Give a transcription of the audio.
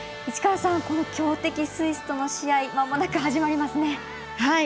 市川さん、この強敵スイスとの試合まもなく始まりますね。